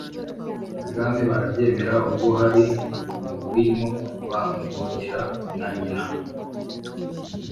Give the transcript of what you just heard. ibwami barabyemera. ubwo hari mu rwimo rwa rwogera na nyina